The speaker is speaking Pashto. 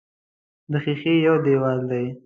د ښیښې یو دېوال دی.